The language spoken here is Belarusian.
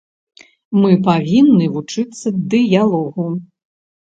Мы павінны вучыцца дыялогу.